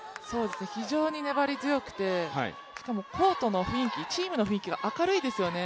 非常に粘り強くてしかもコートの雰囲気チームの雰囲気が明るいですよね。